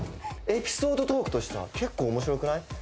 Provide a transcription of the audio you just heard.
エピソードトークとして結構面白くない？